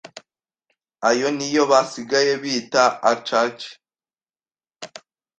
Ayo niyo basigaye bita aacace